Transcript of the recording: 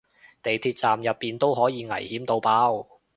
地鐵站入面都可以危險到爆